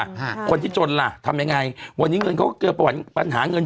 ฮะคนที่จนล่ะทำยังไงวันนี้เงินเขาก็เกิดประวัติปัญหาเงิน